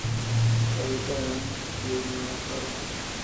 Habita en Kilimanjaro.